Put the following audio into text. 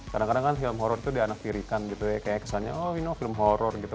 kadang kadang kan film horror itu dianaktirikan gitu ya kayak kesannya oh ini film horror gitu